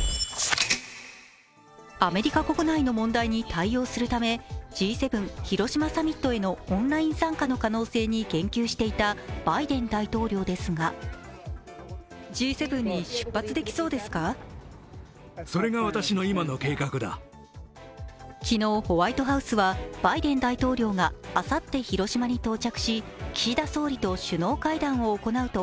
アメリカ国内の問題に対応するためＧ７広島サミットへのオンライン参加の可能性に言及していたバイデン大統領ですが昨日、ホワイトハウスはバイデン大統領があさって広島に到着し岸田総理と首脳会談を行うと